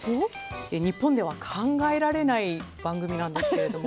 日本では考えられない番組なんですけれども。